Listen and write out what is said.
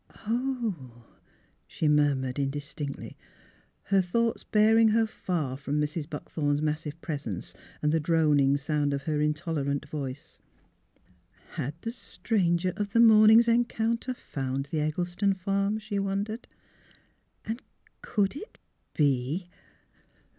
" Oh !" she murmured, indistinctly, her thoughts bearing her far from Mrs. Buckthorn's massive presence and the droning sound of her intolerant voice. Had the stranger of the morn ing's encounter found the Eggleston farm? she wondered; and could it be